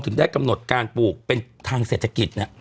อืมอืมอืมอืมอืม